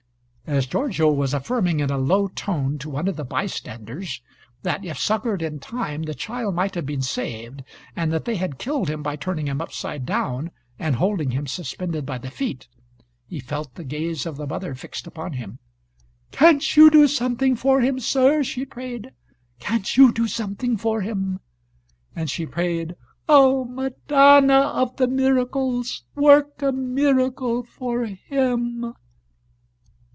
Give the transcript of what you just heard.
'" As Giorgio was affirming in a low tone to one of the bystanders that if succored in time the child might have been saved, and that they had killed him by turning him upside down and holding him suspended by the feet, he felt the gaze of the mother fixed upon him. "Can't you do something for him, sir?" she prayed. "Can't you do something for him?" And she prayed: "O Madonna of the Miracles, work a miracle for him!"